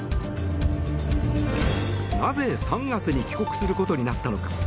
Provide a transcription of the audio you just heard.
なぜ３月に帰国することになったのか。